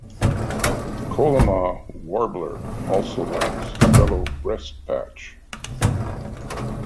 Colima Warbler also lacks yellow breast patch.